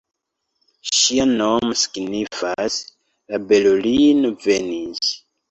Ŝia nomo signifas ""La belulino venis"".